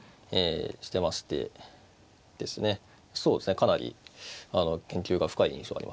かなり研究が深い印象がありますね。